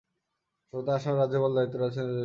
বর্তমানে আসামের রাজ্যপাল দায়িত্বরত আছেন জগদীশ মুখী।